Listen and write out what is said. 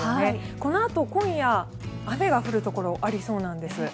このあと今夜、雨が降るところがありそうなんです。